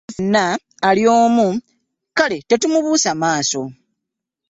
Omulabe waffe ffenna ali omu kale tetumubuusa maaso.